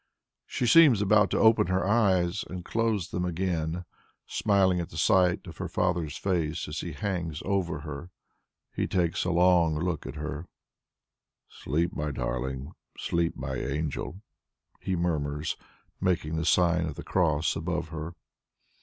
She seems about to open her eyes and close them again, smiling at the sight of her father's face as he hangs over her. He takes a long look at her. [Footnote 1: Saint's picture.] "Sleep, my darling, sleep, my angel," he murmurs, making the sign of the cross above her.